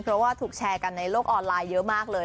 เพราะว่าถูกแชร์กันในโลกออนไลน์เยอะมากเลย